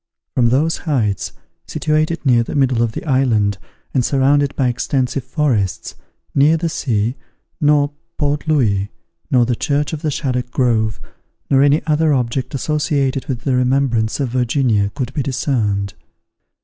From those heights, situated near the middle of the island, and surrounded by extensive forests, neither the sea, nor Port Louis, nor the church of the Shaddock Grove, nor any other object associated with the remembrance of Virginia could de discerned.